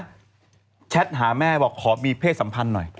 แชทหาแม่บอกขอมีเพศสัมพันธ์หน่อย